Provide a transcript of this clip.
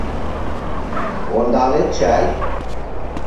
Ондалет чай...